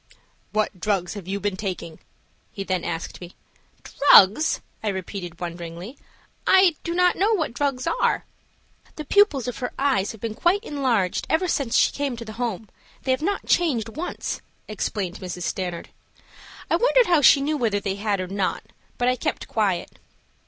"What drugs have you been taking?" he then asked me. "Drugs!" I repeated, wonderingly. "I do not know what drugs are." "The pupils of her eyes have been enlarged ever since she came to the Home. They have not changed once," explained Mrs. Stanard. I wondered how she knew whether they had or not, but I kept quiet.